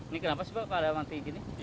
ini kenapa sih pak nggak ada mati gini